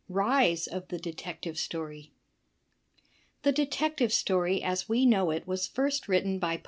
Rise of the Detective Story » The Detective Story as we know it was first written by